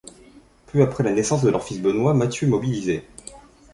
Peu après la naissance de leur fils Benoît, Mathieu est mobilisé.